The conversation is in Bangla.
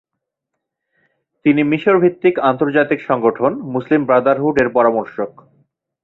তিনি মিশর ভিত্তিক আন্তর্জাতিক সংগঠন মুসলিম ব্রাদারহুড এর পরামর্শক।